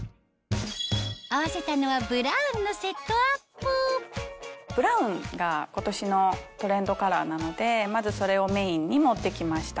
合わせたのはブラウンのセットアップブラウンが今年のトレンドカラーなのでまずそれをメインに持って来ました。